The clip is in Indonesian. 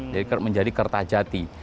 jadi menjadi kertajati